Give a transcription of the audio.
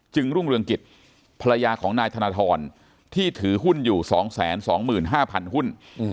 รุ่งเรืองกิจภรรยาของนายธนทรที่ถือหุ้นอยู่๒๒๕๐๐หุ้น